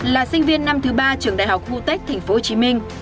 là sinh viên năm thứ ba trường đại học vũ tích tp hcm